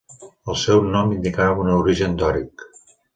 El seu nom indicava un origen dòric.